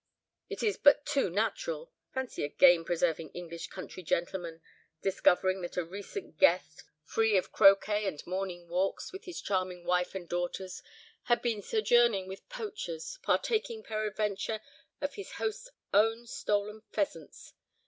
It is but too natural. Fancy a game preserving English country gentleman, discovering that a recent guest, free of croquet and morning walks with his charming wife and daughters, had been sojourning with poachers—partaking, peradventure, of his host's own stolen pheasants!